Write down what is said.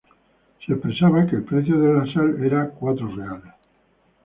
Se expresaba que el precio de la sal era cuatro reales.